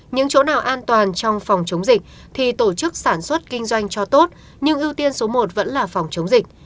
nhưng trong phòng chống dịch thì tổ chức sản xuất kinh doanh cho tốt nhưng ưu tiên số một vẫn là phòng chống dịch